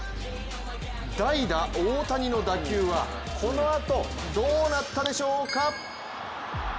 代打・大谷の打球はこのあとどうなったでしょうか。